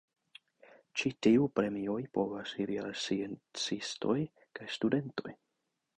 Ĉi tiuj premioj povas iri al sciencistoj kaj studentoj.